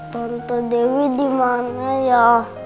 tante dewi dimana ya